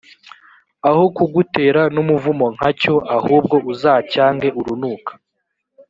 aho kugutera n’umuvumo nka cyo ahubwo uzacyange urunuka